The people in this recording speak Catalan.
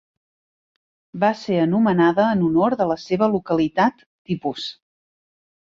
Va ser anomenada en honor de la seva localitat tipus.